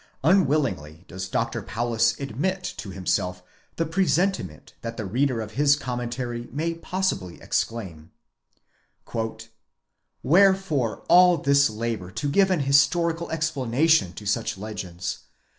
Unwillingly does Dr. Paulus admit to himself the presentiment that the reader of his Commentary may possibly exclain: '" Wherefore all this labour to give an historical explanation to such legends?